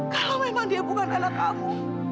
kalau memang dia bukan anak kamu